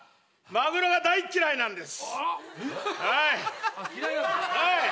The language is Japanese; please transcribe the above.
マグロが大っ嫌いなんです。